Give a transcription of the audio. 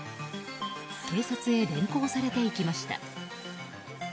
警察へ連行されていきました。